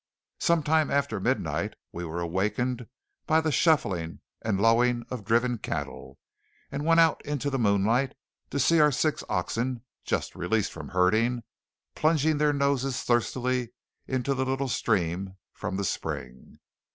Some time after midnight we were awakened by the shuffling and lowing of driven cattle, and went out into the moonlight to see our six oxen, just released from herding, plunging their noses thirstily into the little stream from the spring.